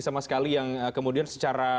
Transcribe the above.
sama sekali yang kemudian secara